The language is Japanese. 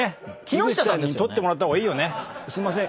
すいません。